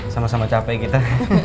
sama sama capek kita